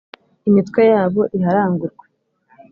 imitwe yabo iharangurwe.